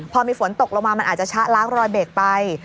พอมีฝนตกลงมามันอาจจะชะล้างรอยเบรกไป